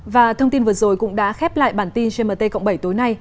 và thông tin vừa rồi cũng đã khép lại bản tin gmt cộng bảy tối nay